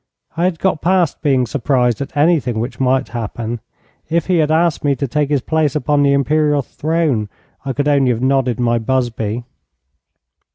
I had got past being surprised at anything which might happen. If he had asked me to take his place upon the imperial throne I could only have nodded my busby.